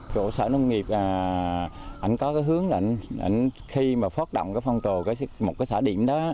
chủ sở nông nghiệp có hướng là khi phát động phòng trào một xã điểm đó